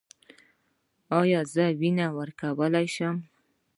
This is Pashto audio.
ایا زه وینه ورکولی شم؟